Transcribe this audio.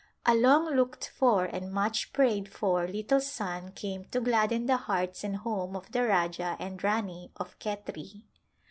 A long looked for and much prayed for little son came to gladden the hearts and home of the Rajah and Rani of Khetri.